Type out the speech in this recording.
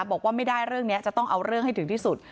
บอกว่าไม่ได้เรื่องนี้จะต้องเอาเรื่องให้ถึงที่สุด